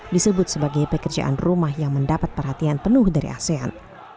disebut sebagai pekerjaan rumah yang mendapat perhatian penuh dari asean